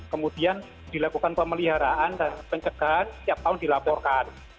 kemudian dilakukan pemeliharaan dan pencegahan setiap tahun dilaporkan